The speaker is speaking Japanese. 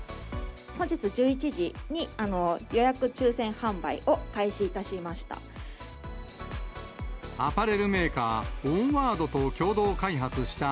本日１１時に予約抽せん販売を開始いたしました。